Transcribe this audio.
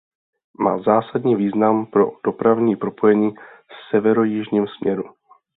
Má zásadní význam pro dopravní propojení v severojižním směru.